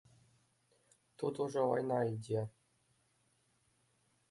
Тут ужо вайна ідзе.